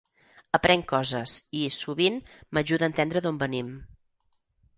Aprenc coses i, sovint, m'ajuda a entendre d'on venim.